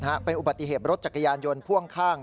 เป็นอุบัติเหตุรถจักรยานยนต์พ่วงข้าง